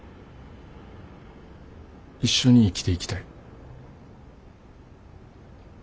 一緒に生きていきたい。